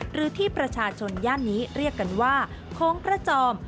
หรือที่ประชาชนย่านนี้เรียกกันว่าโค้งกระจอม